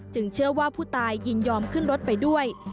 เชื่อว่าผู้ตายยินยอมขึ้นรถไปด้วย